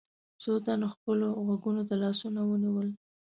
څو تنو خپلو غوږونو ته لاسونه ونيول.